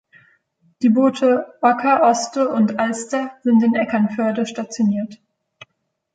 Die Boote "Oker", "Oste" und "Alster" sind in Eckernförde stationiert.